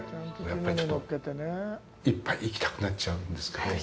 やっぱり、ちょっと１杯行きたくなっちゃうんですけど。